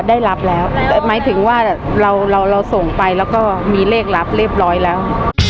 ได้รับแล้วหมายถึงว่าเราเราส่งไปแล้วก็มีเลขลับเรียบร้อยแล้ว